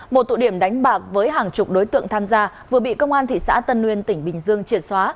một tụ điểm đánh bạc với hàng chục đối tượng tham gia vừa bị công an thị xã tân nguyên tỉnh bình dương triệt xóa